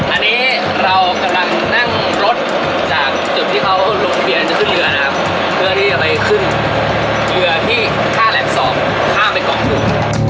อันนี้เรากำลังนั่งรถจากจุดที่เขาลงทะเบียนจะขึ้นเรือนะครับเพื่อที่จะไปขึ้นเรือที่ท่าแหลมสองข้ามไปก่อนอยู่